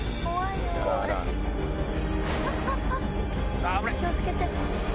あっ気を付けて。